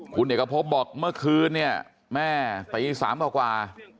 คุณเอกพบบอกเมื่อคืนนี้แม่ตี๓กว่ายังไม่หลับ